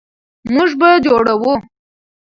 موږ به جوړوو.